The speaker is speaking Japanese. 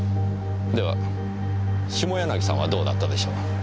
では下柳さんはどうだったでしょう。